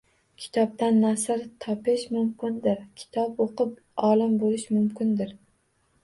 Kitobdan nasr topish mumkindir, kitob o‘qib olim bo‘lish mumkindir